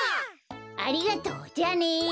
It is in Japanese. ありがとうじゃあね。